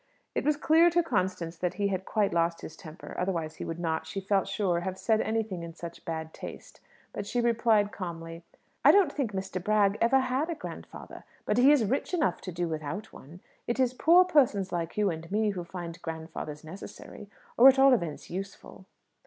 It was clear to Constance that he had quite lost his temper. Otherwise he would not, she felt sure, have said anything in such bad taste. But she replied calmly "I don't think Mr. Bragg ever had a grandfather. But he is rich enough to do without one. It is poor persons like you and me who find grandfathers necessary or, at all events, useful."